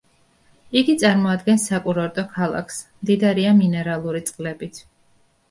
იგი წარმოადგენს საკურორტო ქალაქს, მდიდარია მინერალური წყლებით.